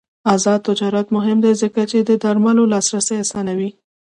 آزاد تجارت مهم دی ځکه چې د درملو لاسرسی اسانوي.